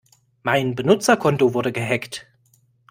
Mein Benutzerkonto wurde gehackt.